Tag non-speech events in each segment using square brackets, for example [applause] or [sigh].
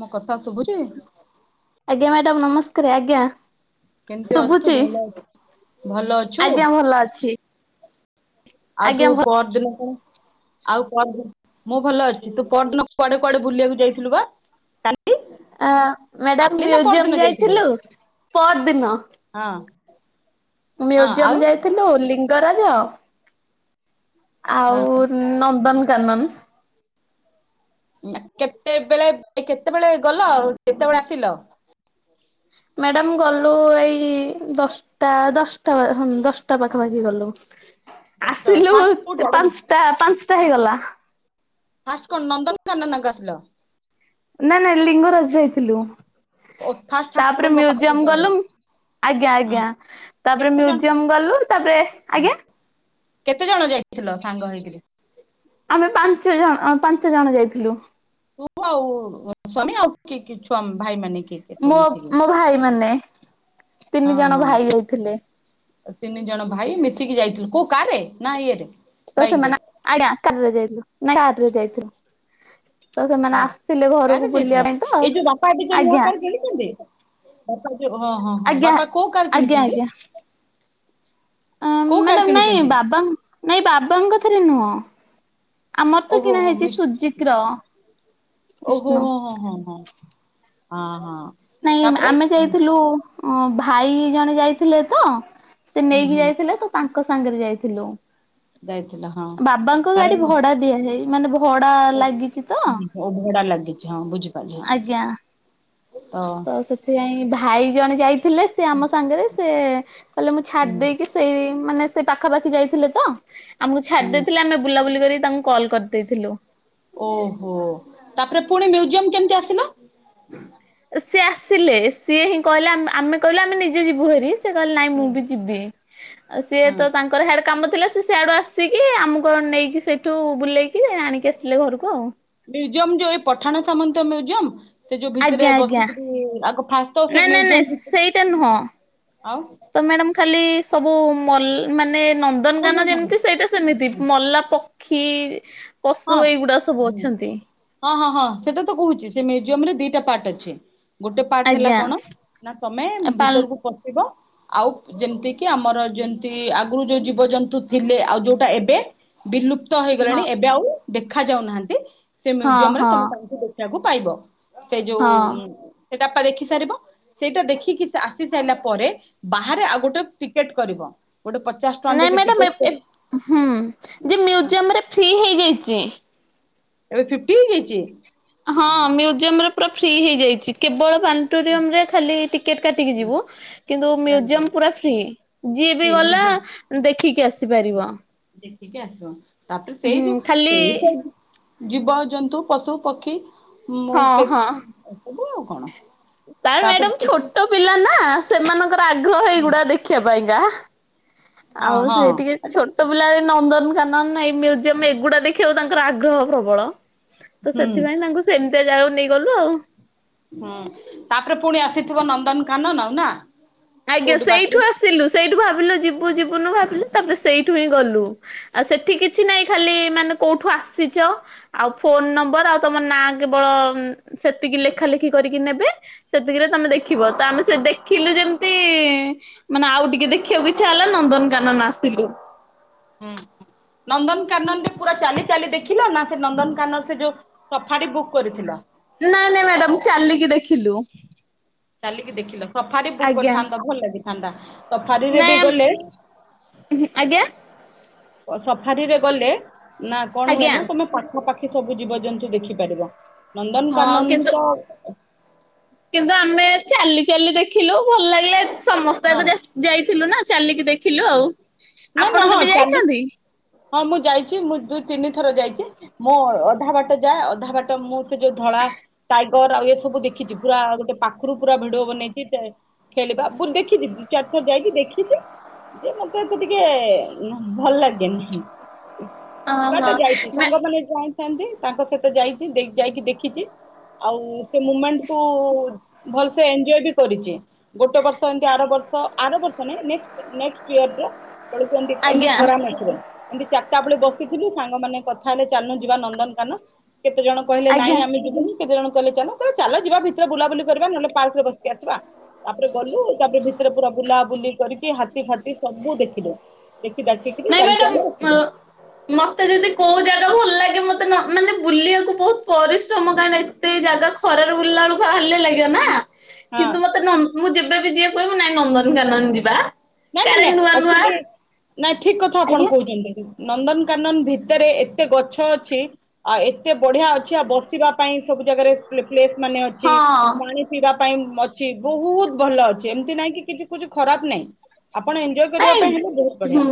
ମୋ କଥା ଶୁଭୁଛି ଆଜ୍ଞା ମାଡାମ ନମସ୍କାର ଆଜ୍ଞା କେମିତି ଅଛୁ ଶୁଭୁଛି ଭଲ ଅ ଭଲ ଅଛୁ? ଆଜ୍ଞା ଭଲ ଅଛି। ଆଉ ତୁ ଆଜ୍ଞା ଭ ପହରଦିନକୁ ଆଉ ପହରଦିନ ମୁଁ ଭଲ ଅଛି ତୁ ପହରଦିନକୁ କୁଆଡେ କୁଆଡେ ବୁଲିବାକୁ ଯାଇଥିଲୁ ପା ମାଡାମ ମୁଜିୟମ ଯାଇଥିଲୁ ପହରଦିନ ହଁ ହଁ ମ୍ୟୁଜିୟମ ଆଉ ଯାଇଥିଲୁ ଲିଙ୍ଗ ଲିଙ୍ଗରାଜ ହଁ ଆଉ ନନ୍ଦନ କାନନ କେତେବେଳେ କେତେବେଳେ ଗଲ ଆଉ କେତେବେଳେ ଆସିଲ? ମାଡାମ ଗଲୁ ଏଇ ଦଶଟା ଦଶଟା ହଁ ଦଶଟା ପାଖାପାଖି ଗଲୁ। ଦଶଟା ବେଳେ ଆସିଲୁ ଫାଷ୍ଟ କୋଉଠୁ ଆଗ? ପାଞ୍ଚଟା ପାଞ୍ଚ ହେଇଗଲା। ଫାଷ୍ଟ କଣ ନନ୍ଦନ ନା ନାଇଁ ଲିଙ୍ଗରାଜ ଯାଇ ଥିଲୁ। ଓ ଫାଷ୍ଟ ତାପରେ ଠାକୁରଙ୍କ ପାଖକୁ ମ୍ୟୁଜିୟମ ପଳେଇଲ ଗଲୁ ଆଜ୍ଞା ହଁ ଆଜ୍ଞା ତାପରେ କେତେ ଜଣ ମ୍ୟୁଜିୟମ ଗଲୁ ତାପରେ ଆଜ୍ଞା କେତେ ଜଣ ଯାଇଥିଲ ସାଙ୍ଗ ହେଇକିରି ଆମେ ପାଞ୍ଚ ଜଣ ପାଞ୍ଚ ଜଣ ଯାଇଥିଲୁ। ତୁ ଆଉ ତୋସ୍ଵାମୀ ଆଉ କିଏ କିଏ ଛୁଆ ଭାଇ ମାନେ କିଏ କିଏ ସବୁ ମୋ ମିଶିକି? ମୋ ଭାଇ ମାନେ ତିନି ହଁ ଜଣ ଭାଇ ହଁ ଯାଇଥିଲେ। ତିନି ଜଣ ଭାଇ ମିଶିକି ଯାଇଥିଲୁ କୋଉ କାର୍ ରେ ନା ଇଏରେ ତ ବାଇକ୍ ରେ ସେମାନେ ଆ [inaudible] ଯାଇଥିଲୁ ନା କାର୍ ରେ ଯାଇଥିଲୁ। [inaudible] ଆ ଆସିଥିଲେ କାର ଘରକୁ ବୁଲିବା ଯାଇଥିଲ ପାଇଁ ତ ଏଇ ଯୋଉ ବାପା ଏବେ ଯୋଉ ନୂଆ ଆଜ୍ଞା କାର କିଣିଛନ୍ତି ବାପା ଯୋଉ ହଁ ହଁ ହଁ ଆଜ୍ଞା ବାପା କୋଉ କାର କିଣିଛନ୍ତି। କୋଉ କାର ମ୍ୟାଡାାମ ନାଇଁ କିଣିଛନ୍ତି? ବାବା ନାଇଁ ବାବାଙ୍କ ରେ ନୁହଁ। [inaudible] ଆମର ତ ଓହୋ କିଣା ହୋ ହେଇଛି ମିସ୍ ସୁଜୁକିର ଓହୋ ବିଷ୍ଣୁ। ହୋ ହଁ ହଁ ହଁ ହଁ ହଁ। ନାଇଁ ତାପରେ ଆମେ ହୁଁ ଯାଇଥିଲୁ। ଅ ଭାଇ ଜଣେ ଯାଇଥିଲେ ତ। ସେ ହୁଁ ନେଇକି ହୁଁ ଯାଇଥିଲେ ତ ତାଙ୍କ ସ ସାଙ୍ଗରେ ଯାଇଥିଲୁ। ଯାଇଥିଲ ହଁ ବାବାଙ୍କ ତାର ଗାଡି ଭଡା ଦିଆଯାଏ। ମାନେ ବ [inaudible] ଓ ଓ ଭଡା ଲାଗିଛି ହଁ ବୁଝିପାରିଲି ଆଜ୍ଞା ହଁ। ତ ସେଥିପାଇଁ ଭାଇ। ଜଣେ ଯାଇ ଥିଲେ ସେ ଆମ ସାଙ୍ଗରେ ସେ କହିଲେ ମୁଁ ହୁଁ ଛାଡ଼ିଦେଇକି ସେଇ ମାନେ। ସେ ପାଖାପାଖି ଯାଇଥିଲେ ତ। ଆମକୁ ଛାଡି ହୁଁ। ଦେଇଥିଲେ ଆମ ବୁଲାବୁଲି କରି ତାଙ୍କୁ କଲ୍ କରିଦେଇଥିଲୁ। ଓହୋ ତାପରେ ପୁଣି ମ୍ୟୁଜିୟମ କେମିତି ଆସିଲ। ସିଏ ଆସିଲେ ସିଏ ହିଁ କହିଲେ ଆମେ କହିଲୁ ଆମେ ନିଜେ ଯିବୁ ଭାରି। ସେ କହିଲ ନାଇଁ ହୁଁ। ମୁଁ ବି ଯିବି ଆଉ ସିଏ ହଁ ତ ତାଙ୍କର ଆଡ଼େ କାମ। ଥିଲା ସେ ସିଆଡ଼ୁ ଆସିକି ଆମକୁ ଆଉ ନେଇକି ସେଇଠୁ ବୁଲେଇକି ଆଣିକି ଆସିଥିଲେ ଘରକୁ ଆଉ। ମ୍ୟୁଜିୟମ୍ ଯୋଉ ଏ ପଠାଣି ସାମନ୍ତ ମ୍ୟୁଜିୟମ୍। ଆଜ୍ଞା ଆଜ୍ଞା ଫାଷ୍ଟ ତ ସେ ନାଇଁ ନାଇଁ ମ୍ୟୁଜିୟମ ନାଇଁ ଭିତ ସେଇଟା ନୁହଁ ଆଉ ତ ମ୍ୟାଡାମ୍ ଖାଲି ସବୁ ମଲା ମାନେ। ହଁ ହଁ ନନ୍ଦନକାନନ ହଁ ଯେମିତି ସେଇଟା ସେମିତି ମଲା ପ ଖିର ପଶୁ ହଁ। ଏଇଗୁଡ଼ା ସବୁ ଅଛନ୍ତି। ସେଇଟା ତ କହୁଛି ସେ ମ୍ୟୁଜିୟମ୍ ରେ ଦିଟା ପାର୍ଟ ଅଛି। ଗୋଟେ ପାର୍ଟ ହେଲା ଆଜ୍ଞା କଣ ନା ତମେ ପାଲ ଭିତରକୁ ପଶିବ। ଆଉ ଯେମିତି କି ଆମର ଯେନ୍ତି ଆଗରୁ ଯୋଉ ଜୀବଜନ୍ତୁ ଥିଲେ ଆଉ ଯୋଉଟା ଏବେ ବିଲୁ ବିଲୁପ୍ତ ହଁ ହୋଇଗଲେଣି ଏ ଆଉ ଦେଖା ଯାଉନାହାଁନ୍ତି। ସେ ହଁ ମ୍ୟୁଜିୟମ୍ ରେ ହଁ ତମେ ତାହାକୁ ଦେଖିବାକୁ। ପାଇବ। ସେଇ ହଁ ଯୋଉ। ସେଟାପା ଦେଖି ସାରିବ ସେଇଟା ଦେଖିକି ଆସି ସାରିଲା ପରେ ବାହାରେ ଆଉ ଗୋଟେ ଟିକେଟ୍ କରିବ। ଗୋଟେ ପଚାଶ ଟଙ୍କା ନାଇଁ ଦେଇକି ମ୍ୟାଡାମ୍ ଟିକେଟ ଏପ୍ କରି ଏପ ହୁଁ ଯେ ମ୍ୟୁଜିୟମ୍ ରେ ଫ୍ରି ହେଇଯାଇଛି ଚି ଏବେ ଫିଫ୍ଟି ହେଇଯାଇଛି ହଁ ମ୍ୟୁଜିୟମ୍ର ପୁରା ଫ୍ରି ହେଇଯାଇଛି କେବଳ ପ୍ଲାନେଟୋରିୟମ୍ ରେ ଖାଲି ଟିକେଟ୍ କାଟିକି ଯିବୁ କିନ୍ତୁ ହଁ ହଁ ମ୍ୟୁଜିୟମ୍ ପୁରା ଫ୍ରୀ ଯିଏ ବି ଗଲା ଟ୍ରେନରେ ଦେଖିକି ଆସିପାରିବ। ଦେଖିକି ଆସିବ ତାପରେ ସେଇ ହୁଁ ଯୋଉ ଖାଲି ସେଇ ତ ଜୀବ ଜନ୍ତୁ ପଶୁ ପକ୍ଷୀ ମୁଁ କେତେ ଦେଖିବୁ ଆଉ କଣ ତା ତାପରେ ମ୍ୟାଡ଼ାମ୍ ଛୋଟ ପିଲା ନା ସେମାନଙ୍କ ଆଗ୍ରହ ହେଇଗୁଡ଼ା ଦେଖିବା ପାଇଁକା ହଁ ଆଉ ହଁ ସେ ଟିକେ ଏଟା ତ ଛୋଟ ସତ। ପିଲା ବି ନନ୍ଦନକାନନ ନହେଲେ ନାଇଁ ମ୍ୟୁଜିୟମ୍ ଏଗୁଡ଼ା ଦେଖିବାକୁ ତାଙ୍କର ଆଗ୍ରହ ପ୍ରବଳ ତ ହୁଁ ସେଥିପାଇଁ ତାଙ୍କୁ ସେମିତିଆ ଜାଗାକୁ ନେଇକି ଗଲୁ ଆଉ। ହୁଁ ତାପରେ ପୁଣି ଆସିଥିବ ନନ୍ଦନକାନନ ଆଉ ନା। ଆଜ୍ଞା କୋଉଠି ବାଟରେ ସେଇଠୁ ଆସିଲୁ ସେଇଠୁ ଭାରୁ ଭାବିଲୁ ଯିବୁ ଯିବୁନୁ ଭାବିଲୁ ତାପରେ ସେଇଠୁ ହିଁ ଗଲୁ ଆଉ ସେଠି କିଛି ନାଇଁ ଖାଲି ମାନେ କୋଉଠୁ ଆସିଛ ଆଉ ଫୋନ ନମ୍ବର ଆଉ ତମ ନାଁ କେବଳ ସେତିକି ଲେଖା ଲେଖି କରିକି ନେବେ ସେତିକିରେ ତମେ ଦେଖିବ ତ ଆମେ ସେ ଦେଖିଲୁ ଯେମତି ତି ମାନେ ଆଉ ଟିକେ ଦେଖିବାକୁ ଇଛା ହେଲା ନନ୍ଦନକାନନ ଆସିଲୁ। ହୁଁ ନନ୍ଦନକାନନରେ ପୁରା ଚାଲି ଚାଲି ଦେଖିଲ ନା ସେ ନନ୍ଦନକାନନ ସେ ଯୋଉ ସଫାଡି ବୁକ୍ କରିଥିଲ। ନାଇଁ ନାଇଁ ମ୍ୟାଡାାମ ଚାଲିକି ଦେଖିଲୁ। ଚାଲିକି ଦେଖିଲ ସଫାରି ବୁକ୍ ଆଜ୍ଞା। କରିଥାନ୍ତ ଭଲ ଲାଗି ଚାନ୍ଦା ସଫାରିରେ ବି ନାଇଁ ଗଲେ ଆଜ୍ଞା ସଫାରିରେ ଗଲେ ନା କଣ ହୁଏ ଆଜ୍ଞା ଆଜ୍ଞା ନା ତମେ ପାଖାପାଖ ସବୁ ଜୀବଜନ୍ତୁ ଦେଖିପାରିବ। ନନ୍ଦନକାନନ ହଁ କିନ୍ତୁ ତ କିନ୍ତୁ ଆମେ ଚାଲି ଚାଲି ଦେଖିଲୁ ଭଲ ଲାଗିଲା। ସମସ୍ତେ ଆଗ ଯା ଯାଇଥିଲୁ ନା ଚାଲିକି ଦେଖି ଦେଖିଲୁ ଆଉ ନା ନା ଆପଣ ହଁ କେବେ ଚାଲି ଯାଇଛନ୍ତି। ହଁ ମୁଁ ଯାଇଛି ମୁଁ ଦୁଇ। କେେ [unintelligible] ଥର ଯାଇଛି ମଁ ଅଧା ବାଟ। ଯାଏ ଅଧା ବାଟ ମୁଁ ସେ ଯୋଉ ଧଳା ଟାଇଗର ଆଉ ଇଏ ସବୁ ଦେଖିଛି ପୁରା ଗୋଟେ ପାଖରୁ ପୁରା ଭିଡିଓ ବନେଇଛି ଖେଳିବା ଦେଖିଛି ଦି ଚାରି ର ଯାଇକି ଦେଖିଛି ଯେ ମତେ ଏ ତ ଟିକେ ଭଲ ଲାଗେନି। ହଁ। ସେବା ଓହୋ ତ ଯାଇଛି ନା ସାଙ୍ଗମାନେ ଯା ତାଙ୍କ ସହିତ ଯାଇଛି ଯାଇକି ଦେଖିଛି ଆଉ ସେ ମୁମେଣ୍ଟ କୁ ଭଲସ ଏନ୍ଜୟ ବି କରିଛି ଗୋଟେ ବର୍ଷ ଏମ୍ ଆର ବର୍ଷ ଆର ବର୍ଷ ନାଇ ନେକ୍ ନେକ କିଏ ଅଛି [unintelligible] ପଳୁଛନ୍ତି ଏମିତି ଆଜ୍ଞା ଖରା ନଥିବ। ଏମିତି ଚାରିଟା ବେଳେ ବସିଥିଲୁ ସାଙ୍ଗମାନୋନେ କଥା ହେଲେ ଚାଲୁନ୍ ଯିବା ନନ୍ଦନକାନ। କେତେ ଜଣ କହିଲେ ନାଇଁ ଆଜ୍ଞା ଆମେ ଯିବୁିନି। କେତେ ଜଣ କହି଼ଲେ ଚାଲ ଚାଲ ଯିବା ଭିତରେ ବୁଲାବୁଲି କରିବା ନହେଲେ ପାର୍କରେ ବସିକି ଆସିବା ତାପରେ ଗଲୁ ତାପରେ ଭିତରେ ପୁରା ବୁଲାବୁଲି କରି ହାତୀ ଫାତୀ ସବୁ ଦେଖିଲୁ ଦେଖି ଦାଖି। ନାଇଁ ମ୍ୟାଡାାମ ମତେ ଯଦି କୋଉ ଜାଗା ଭଲ ଲାଗେ। ମତେ ମାନେ ବୁଲିବାକୁ ବହୁତ ପରିଶ୍ରମ କାରଣ ଏତେ ଜାଗା ଖରାରେ ବୁଲିଲା ବେଳକୁ ହାଲ ଭଲ ଲାଗିବ ନା ହଁ। କିନ୍ତୁ ମତେ ନନ୍ ମୁ ଯେ ମତେ ବି ଯିଏ କହେ ମୁଁ ନାଇଁ ନନ୍ଦନକାନନ ଯିବା। ନା ନା କାଳେ ନା ନୂଆ ନୂଆ ଆକ୍ଚୁଆଲି। ନାଇଁ ଠିକ କଥା ଆପଣ ଆଜ୍ଞା କହୁଛନ୍ତି। ନନ୍ଦନକାନନ ଭିତରେ ଏତେ ଗଛ ଅଛି ଆଉ ଏତେ ବଢିଆ ଅଛି ଆଉ ବସିବ। ପାଇଁ ସବୁ ଜାଗାରେ ପ୍ଲେ ପ୍ଲେସ୍ ମାନେ ଅଛି ହଁ ପାଣି ପିଇବା। ପାଇଁ ଅଛି ବହୁତ ଭଲ ଅଛି ଏମିତି ନାଇଁ କି କି। ଦେଖୁଛୁ ଖରାପ ନାଇଁ। ନାଇଁ ହୁଁ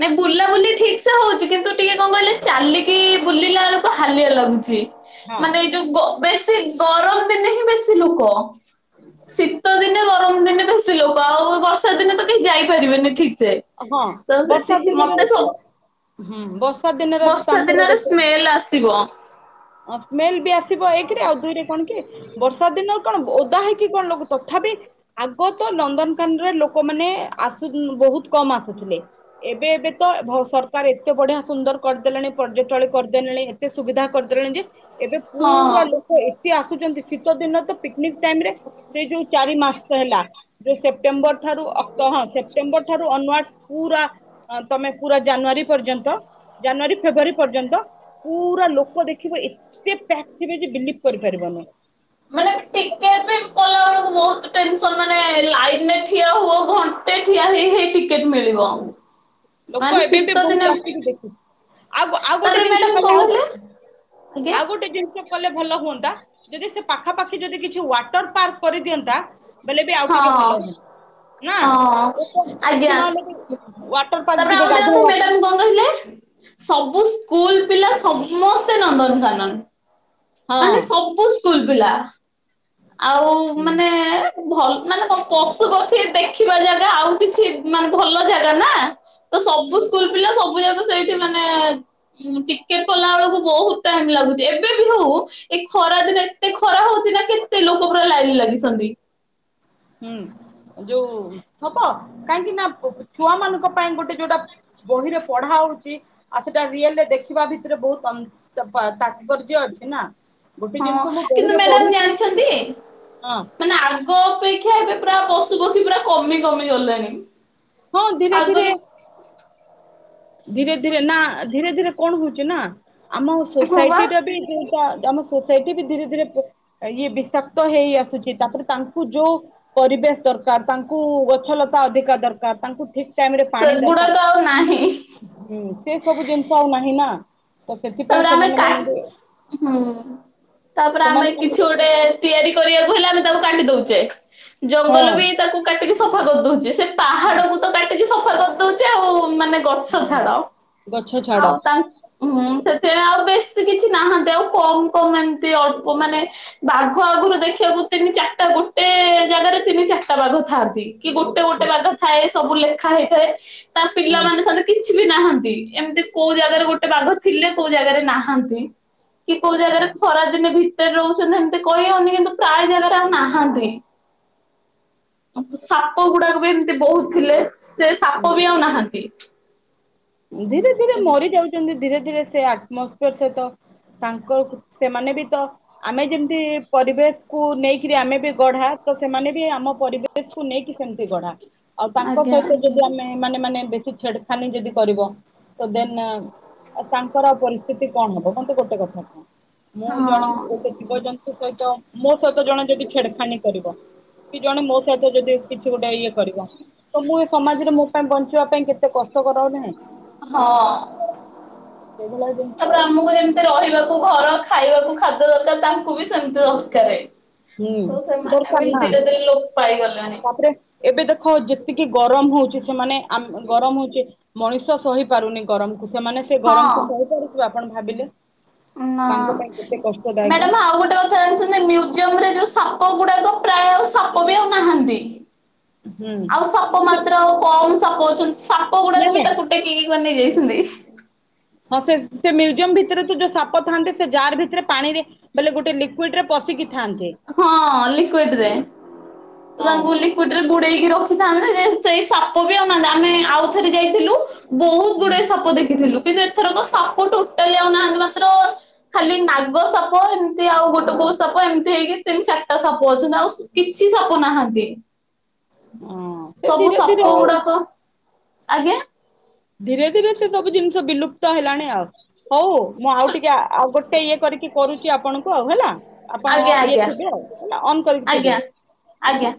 ନାଇଁ ବୁଲା ବୁଲି ଠିକ। ଇଚ୍ଛା ହଉଛି କିନ୍ତୁ ଟିକେ କଣ କହିଲେ ଚାଲିକି ବୁଲିଲା ବେଳକୁ ହାଲିଆ ଲାଗୁଛି। ହଁ ମାନେ ଏଇ ଯୋଉ ବ ବେଶୀ। ଗରମ ଦିନେ ହିଁ ବେଶୀ ଲୋକ ଶୀତ ଦିନେ ଗରମ ଦିନେ। ସେ ଲୋକ ଆଉ ବର୍ଷା ଦିନେ ତ କେହି ଯାଇପାରିବେନି ସେଠିକି। ସେ ହଁ ତ ବର୍ଷା ସେଠି ଦିନରେ ମତେ ସ ତ ହୁଁ ବ ବର୍ଷା ଦିନରେ ତ ତାଙ୍କର ଗୋଟେ ସ୍ମେଲ ଆସିବ ସ୍ମେଲ୍ ବି ଆସିବ ଏଇଥି ରେ ଆଉ ଦୁଇରେ କଣ କି ବର୍ଷା ଦିନ। କଣ ଓଦା ହେଇକି କଣ ଲୋକ ତଥାପି ଆଗ ତ ନନ୍ଦନକାନରେ ଲୋକମାନେ ଆସୁ [unintelligible] କମ୍ ଆସୁଥିଲେ ଏ ଏବେ ଏବେ ତ ଭ ସରକାର ଏତେ ବଢିଆ ସୁନ୍ଦର କରିଦେଲେଣି ପର୍ଯ୍ୟଟଳି କରିଦେଲେଣି ଏତେ ସୁବିଧା କରିଦେଲେଣି ଯେ। ଏବେ ପୁରା ହଁ। ଲୋକ ଏ ନ୍ତି ଆସୁଛନ୍ତି ଶୀତ ଦିନ ତ ପି ପିକିନିକ୍ ଟାଇମ୍ ରେ ସେ ଯୋଉ ଚାରି ମାସ ହେଲା ଯୋଉ ସେ ସେପ୍ଟେମ୍ବରଠାରୁ ଅକ୍ଟ ହଁ ସେପ୍ଟେମ୍ବର। ଠାରୁ ଅନୱାର୍ଡଶ୍ ପୁରା ତମେ ପୁରା ଜାନୁଆରୀ ପର୍ଯ୍ୟନ୍ତ ଜାନୁଆରୀ ଫେବୃଆାରୀ ପର୍ଯ୍ୟନ୍ତ ପୁରା ଲୋକ ଦେଖିବ ଏତେ ପ୍ୟାକ ଥିବେ ଯେ ବିଲିଭ୍ କରିପାରିବନି। ମାନେ ଟେନସନ୍ ମାନେ ଲାଇନରେ ଠିଆ ହୁଅ ଘଣ୍ଟେ ଠିଆ ହେଇ ହେଇ ଟି ହୁଁ ଲୋକ ଏବେ ବି ଶୀତ ଦିନେ ବହୁତ ଆସିକି ଦେଖୁ ଆଉ ଆଉ ଗୋଟେ ତାପରେ ଜିନିଷ ମ୍ୟାଡାମ କଲେ କଣ ଆଉ କହିଲେ ଆଜ୍ଞା ଆଉ ଗୋଟେ ଜିନିଷ କଲେ ଭଲ ହୁଅନ୍ତା। ଯଦି ସେ ପାଖାପାଖି ଯଦି କିଛି ୱାଟର ପାର୍କ। କରିଦିଅନ୍ତା ବେଲେ ବି ଆଉ ଟିକେ ଭଲ ହଁ। ହୁଅନ୍ତା ହଁ ନା। କିଛି ଆଜ୍ଞା ନ ହେଲେ ବି ୱାଟର ପାର୍କ ତାପରେ ଯିବେ ଆଉ ଗୋଟେ କଥା ଗାଧେଇବା ପାଇଁ। ମ୍ୟାଡାମ ସ୍କୁଲ୍ ପିଲା ସମସ୍ତେ ନନ୍ଦନକାନନ। ମାନେ ହଁ। ସବୁ ସୁ ସ୍କୁଲ ପିଲା। ଆଉ ମାନେ। ଭଲ ମାନେ କଣ ପଶୁପକ୍ଷୀ ଦେଖିବା ଯାଗା ଆଉ କିଛି ମାନେ ଭଲ ଜାଗା ନା। ତ ସବୁ ସ୍କୁଲ୍ ପିଲା ସବୁ ଯାକ ସେଇଠି ମାନେ ଟିକେଟ୍ କଲା ବେଳକୁ ବହୁତ ଟାଇମ ଲାଗୁଛି ଏବେ ବି ହଉ ଏ ଖରା ଦିନ ଏତେ ଖରା ହଉଛି ନା କେ କେତେ ଲୋକ ପୁରା ଲାଇନି ଲାଗିଚନ୍ତି। ହୁଁ ଯୋଉ ହବ କାହିଁକି ନା ଛୁଆ ମାନଙ୍କ ପାଇଁ ଗୋଟେ ଯୋଉଟା ବହିରେ ପଢା ହଉଛି ଆଉ ସେଟା ରିଏଲରେ ଦେଖିବା ଭିତରେ ବହୁତ ଅନ୍ ଗୋଟେ ଜିନିଷ ହଁ ମୁଁ କିନ୍ତୁ ବହିରେ ମ୍ୟାଡ଼ାମ ପଢୁଛି ଜାଣିଛନ୍ତି ହଁ ମାନେ ଆଗ ଅପେ କ୍ଷା ଏବେ ପୁରା ପଶୁ ପକ୍ଷୀ ପୁରା କମି କମି ଗଲେଣି। ହଁ ଧୀରେ ଧୀରେ। ଆଗରୁ ଧୀରେ ଧୀରେ ନା ଧୀରେ ଧୀରେ କଣ ହଉଛି ନା। ଆମ ହଁ ବା ସୋସାଇଟିର ବି ଯୋଉଟା ଆମ ସୋ ସେଇଠି ବି ଧୀରେ ଧୀରେ ଇଏ ବିଷାକ୍ତ ହେଇ ଆସୁଛି ତାପରେ ତାଙ୍କୁ ଯୋଉ ପରିବେଶ ଦରକାର ତାଙ୍କୁ ଗଛଲତା ଅଧିକା ଦରକାର ତାଙ୍କୁ ଠିକ ଟାଇମ ରେ ପାଣି ସେଗୁଡା ଦରକାର ତ ଆଉ ନାହିଁ। ହୁଁ ସେ ସବୁ ଜିନିଷ ଆଉ ନାହିଁ ନା। ହଁ। ତାପରେ ଆମେ ହୁଁ ତାପରେ ଆମେ ସେମାନେ କିଛି ମାନେ ଗୋଟେ ତିଆରି କରିବାକୁ ହେଲେ ଆମେ ତାକୁ କାଟି ଦଉଛେ। ଜଙ୍ଗଲ ହଁ ବି ତାକୁ କାଟିକି ସଫା କରିଦଉଚେ ସେ ହଁ। ପାହାଡକୁ ତ କାଟିକି ସଫା କରିଦଉଚେ ଆଉ। ମାନେ ଗଛ ହଁ ଛାଡ ଗଛ ଆଉ ଛାଡ ତା ହୁଁ ସେ ସେ ଆଉ ବେଶୀ କିଛି ନାହାନ୍ତି ଆଉ କମ କମ ଏମିତି ଅଳ୍ପ ମାନେ ବାଘ ଆଗରୁ ଦେଖିବାକୁ ତିନି ଚାରିଟା ଗୋଟେ ଜାଗାରେ ତିନି ଚାରିଟା ବାଘ ଥାଆନ୍ତି। କି ଗୋଟେ ଗୋଟେ ବାଘ ଥାଏ। ସବୁ ଲେଖା ହେଇଥାଏ। ତା ପିଲା ହୁଁ ମାନେ [unintelligible] କିଛି। ବି ନାହାନ୍ତି ଏମିତି କୋଉ ଜାଗାରେ ଗୋଟେ ବାଘ ଥିଲେ। କୋଉ ଜାଗାରେ ନାହାନ୍ତି। କି କୋଉ ଜାଗାରେ ଖରା ଦିନେ ଭି ଭିତରେ ରହୁଛନ୍ତି ଏମିତି କହିହଉନି କିନ୍ତୁ ପ୍ରାୟ ଜାଗାରେ ଆଉ ନାହାନ୍ତି। ସାପ ଗୁଡାକ ବି ଏମିତି ବହୁତ ଥିଲେ। ସେ ହୁଁ। ସାପ ବି ଆଉ ନାହାନ୍ତି। ଧୀରେ ଧୀରେ ମରି ଯାଉଛନ୍ତି ଧୀରେ। ଧୀରେ ସେ ଆଟମୋସ୍ଫିୟର ସହିତ ତାଙ୍କର ସେମାନେ ବି ତ ଆମେ ଯେମିତି ପରିବେଶକୁୁ ନେଇକିରି ଆମେ ବି ଗଢା ତ ସେମାନେ ବି ଆମ। ପରିବେଶକୁ ନେଇକି ସେମ୍ ସେଗଡା। ଆଉ ତାଙ୍କ ଆଜ୍ଞା ସହିତ ଯଦି ଆମେ ମାନେ ମାନେ। ବେଶ ଛେଡ଼ଖାନୀ ଯଦି। କରିବ ତ ଦେନ ତାଙ୍କର ପରିସ୍ଥିତି କଣ ହବ ମତେ ଗୋଟେ କଥା କୁହ। ମୁଁ ଜଣ ହଁ। ଗୋଟେ ଜୀବଜନ୍ତୁ ସହିତ ମୋ ସହିତ ଜଣେ ଯଦି ଛେଡଖାନୀ କରିବ କି ଜଣେ ମୋ ସହିତ ଯଦି କିଛି ଗୋଟେ ଇଏ କରିବ ତ ମୁଁ ଏ ସମାଜରେ ମୋ ପାଇଁ ବଞ୍ଚ [unintelligible] [inaudible] ହଁ। ସେଇଭଳିଆ ଜିନିଷ ତାପରେ ଆଉ। ଆମକୁ ଯେମିତି ରହିବାକୁ ଘର। ଖାଇବାକୁ ଖାଦ୍ୟ ଦରକାର ତାଙ୍କୁ ବି ସେମିତି ଦରକାର। ହୁଁ ଦରକାର ନା ଲୋପ ପାଇଗଲେଣି ତାପରେ ଏବେ ଦେଖ ଯେତିକି ଗରମ ହଉଛି ସେମାନେ ଆମ ଗରମ ହଉଛ। ମଣିଷ ସହି ପାରୁନି ଗରମ। ସେମାନେ ସେ ହଁ ଗରମକୁ ସୋଇପାରୁଥିବ ଆପଣ ଭାବିଲେ। ନା ତାଙ୍କ ପାଇଁ କେତେ କଷ୍ଟଦାୟକ ମ୍ୟାଡାମ ଆଉ ଗୋଟେ କଥା ଜାଣିଛନ୍ତି ମ୍ୟୁଜିଆମ୍ ରେ। ଯଉ ସାପ ଗୁଡାକ ପ୍ରାୟ ଆଉ ସାପ ବି ଆଉ ନାହାନ୍ତି। ହୁଁ ଆଉ ସାପ ସେ ମାତ୍ର କମ୍ ସପୋଜ ସାପ ନାଇଁ ଗୁଡାକୁ ବି ନାଇଁ ତାକୁ ଟେକିକି କରି ନେଇଯାଇ। [unintelligible] ହଁ ସେ ସେ ମ୍ୟୁଜିୟମ ଭିତରେ ତ ଯୋଉ ସାପ ଥାନ୍ତି ସେ ଜାର ଭିତରେ ପାଣିରେ ବଲେ ଗୋଟେ ଲିକୁଇଡରେ ହଁ ଲିକୁଇଡ ରେ ହଁ ତାଙ୍କୁ ଲିକୁଇଡ ରେ ବୁଡେଇକି ରଖ ଥାନ୍ତେ ଯେ ସେଇ ସାପ ବି ଅନା ଆମେ ଆଉଥରେ ଯାଇଥିଲୁ। ବହୁତ ହୁଁ ଗୁଡାଏ ସାପ ଦେଖିଥିଲୁ। କିନ୍ତୁ ଏଥରକ ସାପ ଟୋଟାଲି ଆଉ ନାହାନ୍ତି ମାତ୍ର ଖାଲି ନାଗ ସାପ ଏମିତି ଆଉ ଗୋଟେ କୋଉ ସାପ ଏମିତି ହେଇକି ତିନି ଚାରିଟା ସାପ ଅଛନ୍ତି ନା ଆଉ କିଛି ସାପ ନାହାନ୍ତି। ହଁ ସେ ସବୁ ଧୀରେ ଧୀରେ ସାପ ଆଉ ଗୁଡାକ ଆଜ୍ଞା ଧୀରେ ଧୀରେ ସେ ସବୁ ଜିନିଷ ବିଲୁପ୍ତ ହେଲାଣି ଆଉ ହଉ ମୁଁ ଆଉ ଟିକେ ଆଉ ଗୋଟେ ଇଏ କରିକି କରୁଛି ଆପଣଙ୍କୁ ଆଉ ହେଲା ଆପଣ ଆଜ୍ଞା ଇଏ ଆଜ୍ଞା ଥିବେ ଆଉ ହେଲା ଅନ୍ କରିକି ଥିବେ। ଆଜ୍ଞା ଆଜ୍ଞା